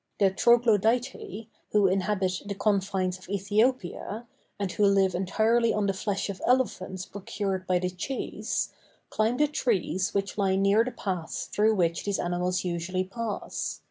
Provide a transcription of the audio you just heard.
The Troglodytæ, who inhabit the confines of Æthiopia, and who live entirely on the flesh of elephants procured by the chase, climb the trees which lie near the paths through which these animals usually pass.